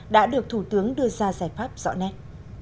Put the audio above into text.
đã được thủ tướng đưa ra giải pháp rõ nét